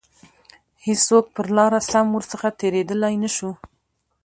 هیڅوک پر لاره سم ورڅخه تیریدلای نه شو.